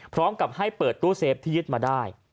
พร้อมกับให้เปิดตู้เซฟที่ยึดมาได้